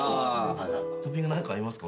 トッピング何かありますか？